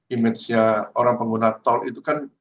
image nya orang pengguna tol itu kan